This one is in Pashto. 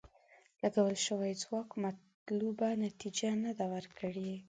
لګول شوی ځواک مطلوبه نتیجه نه ده ورکړې.